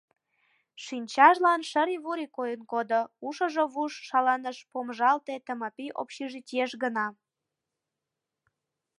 Шинчажлан шыри-вури койын кодо, ушыжо вуж шаланышПомыжалте Тымапи общежитиеш гына.